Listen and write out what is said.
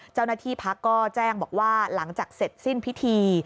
เจ้าหน้าที่พักก็แจ้งบอกว่าหลังจากเสร็จสิ้นพิธี